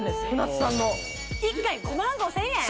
舟津さんの１回５５０００円！？